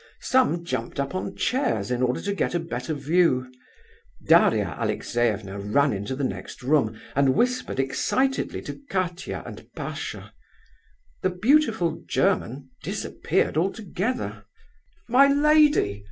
Some jumped up on chairs in order to get a better view. Daria Alexeyevna ran into the next room and whispered excitedly to Katia and Pasha. The beautiful German disappeared altogether. "My lady!